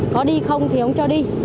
có đi không thì ông cho đi